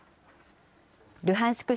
ルハンシク